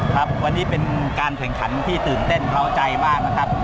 ครับวันนี้เป็นการแข่งขันที่ตื่นเต้นเท้าใจมากนะครับ